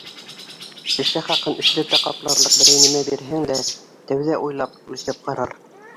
Шешә хаҡын өсләтә ҡапларлыҡ берәй нәмә бирһәң дә, тәүҙә уйлап, үлсәп ҡарар.